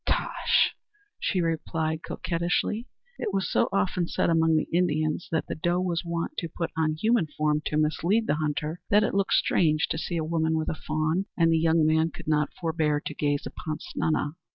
"Tosh!" she replied coquettishly. It was so often said among the Indians that the doe was wont to put on human form to mislead the hunter, that it looked strange to see a woman with a fawn, and the young man could not forbear to gaze upon Snana.